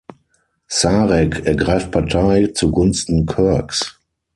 Sarek ergreift Partei zugunsten Kirks.